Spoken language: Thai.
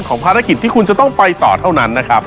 ภารกิจที่คุณจะต้องไปต่อเท่านั้นนะครับ